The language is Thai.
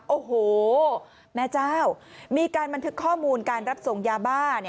โอ้โหแม่เจ้ามีการบันทึกข้อมูลการรับส่งยาบ้า